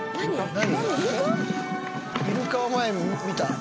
何？